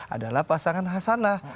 adalah pasangan ahsanah